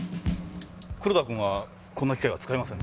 黒田君はこんな機械は使いません。